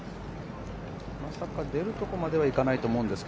まさか出るところまでいかないと思うんですが。